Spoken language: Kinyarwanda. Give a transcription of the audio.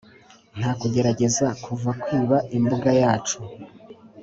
nta kugerageza kuva kwiba imbuga yacu,